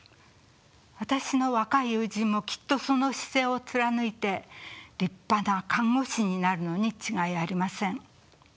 私の若い友人もきっとその姿勢を貫いて立派な看護師になるのに違いありません。